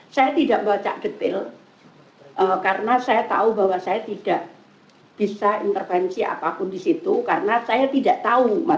saya tidak baca detail karena saya tahu bahwa saya tidak bisa intervensi apapun di situ karena saya tidak tahu